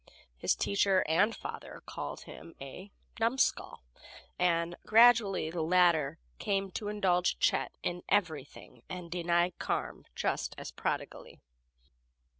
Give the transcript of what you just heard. His teacher and father called him a "numbskull," and gradually the latter came to indulge Chet in everything and deny Carm just as prodigally.